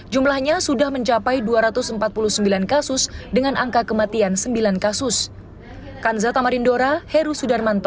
jumlahnya sudah mencapai dua ratus empat puluh sembilan kasus dengan angka kematian sembilan kasus